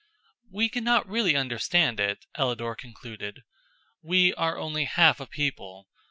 "We cannot really understand it," Ellador concluded. "We are only half a people.